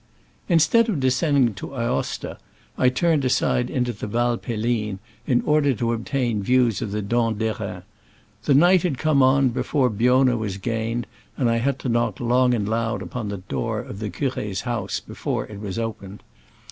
Instead of descending to Aosta, I turned aside into the Val Pelline, in or der to obtain views of the Dent d'Erin. The night had come on before Biona was gained, and I had to knock long and loud upon the door of the curb's house be fore it was opened.